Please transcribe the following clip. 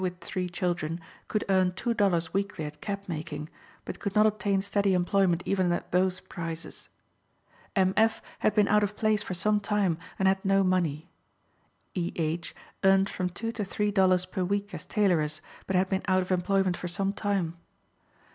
S. F., a widow with three children, could earn two dollars weekly at cap making, but could not obtain steady employment even at those prices. M. F. had been out of place for some time, and had no money. E. H. earned from two to three dollars per week as tailoress, but had been out of employment for some time.